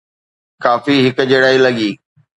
ڪافي هڪجهڙائي لڳي.